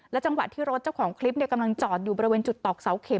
จังหวะที่รถเจ้าของคลิปกำลังจอดอยู่บริเวณจุดตอกเสาเข็ม